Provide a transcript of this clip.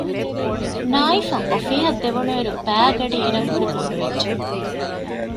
ނާއިފަށް އޮފީހަށް ދެވުނުއިރު ބައިގަޑިއިރަށް ވުރެ ބޮޑުވެއްޖެ